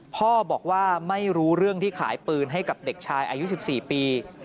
พ่อบอกว่าไม่รู้เรื่องที่ขายปืนให้กับเด็กชายอายุ๑๔ปี